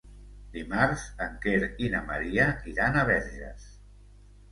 Dimarts en Quer i na Maria iran a Verges.